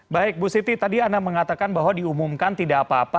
baik bu siti tadi anda mengatakan bahwa diumumkan tidak apa apa